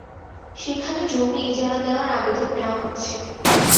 সেখানে জমি ইজারা দেওয়ার আবেদন নেওয়া হচ্ছে।